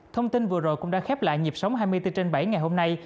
thông tin vừa rồi cũng đã khép lại nhịp sống hai mươi bốn trên bảy ngày hôm nay